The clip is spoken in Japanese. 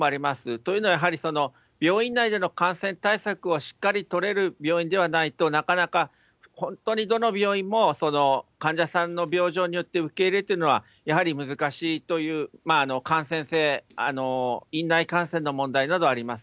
というのは、やはり病院内での感染対策をしっかり取れる病院ではないと、なかなか、本当にどの病院もその患者さんの病状によって受け入れというのは、やはり難しいという感染性、院内感染の問題などあります。